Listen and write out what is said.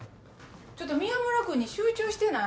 ちょっと宮村君に集中してない？